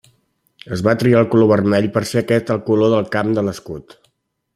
Es va triar el color vermell per ser aquest el color del camp de l'escut.